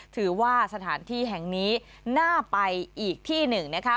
ถือว่าสถานที่แห่งนี้น่าไปอีกที่หนึ่งนะคะ